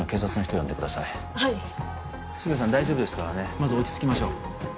まず落ち着きましょうああ